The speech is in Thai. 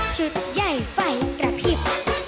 ชุดแย่ไฟปราพิป